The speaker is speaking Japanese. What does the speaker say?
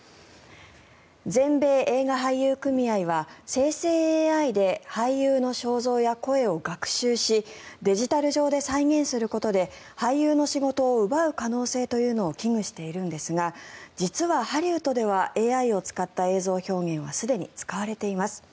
全米映画俳優組合は生成ＡＩで俳優の肖像や声を学習しデジタル上で再現することで俳優の仕事を奪う可能性というのを危惧しているんですが実はハリウッドではＡＩを使った映像表現はすでに使われています。